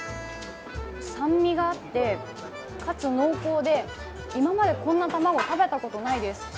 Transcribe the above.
酸味があって、かつ濃厚で、今までこんな卵食べたことないです。